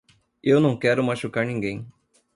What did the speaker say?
Eu não quero machucar ninguém.